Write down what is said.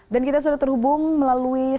dan kita sudah terhubung melalui bpnb